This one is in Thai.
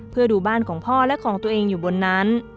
เพื่อดูบ้านของพ่อและของตัวเองอยู่บนนั้น